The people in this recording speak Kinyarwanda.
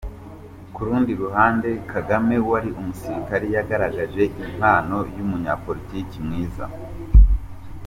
Ku rundi ruhande, Kagame wari umusirikare yagaragaje impano y’umunyapolitiki mwiza.